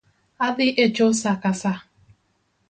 Adhi echo sa ka sa